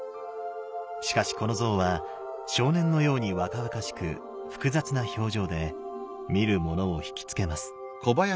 しかしこの像は少年のように若々しく複雑な表情で見るものをひきつけます。